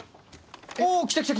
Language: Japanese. お来た来た！